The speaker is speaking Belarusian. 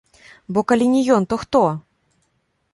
Бо калі не ён, то хто?